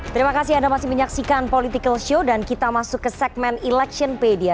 terima kasih anda masih menyaksikan political show dan kita masuk ke segmen electionpedia